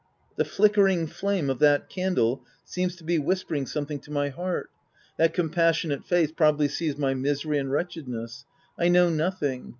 The flickering flame of that candle seems to be whispering something to my heart. That com passionate face probably sees my misery and wretched ness. I know nothing.